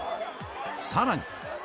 さらに。